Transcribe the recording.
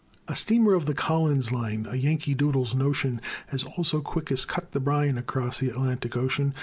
A steamer of the Collins line, A Yankee Doodle's notion, Has also quickest cut the brine Across the Atlantic Ocean.